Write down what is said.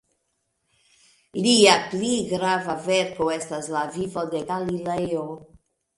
Lia pli grava verko estas "La vivo de Galilejo".